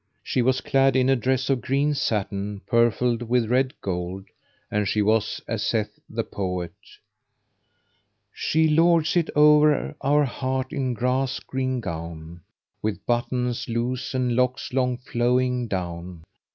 She was clad in a dress of green satin purfled with red gold, and she was as saith the poet, "She lords it o'er our hearts in grass green gown, * With buttons[FN#514] loose and locks long flowing down.